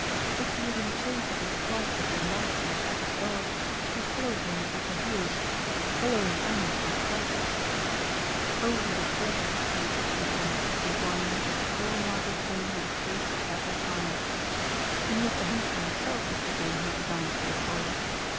If he is in chase of a spark that delights in a pack of dogs, he follows him at the heels, hollowing almost like Phaedra, Ο what a pleasure 'tis, ye Gods, to wind The shrill mouthed horn and chase the dappled hind ;* and yet the hunter himself is the game he designs for the toils.